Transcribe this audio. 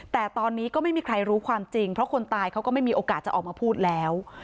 แต่ตอนนี้ก็ไม่มีใครรู้ความจริงเพราะคนตายเขาก็ไม่มีโอกาสจะออกมาพูดแล้ว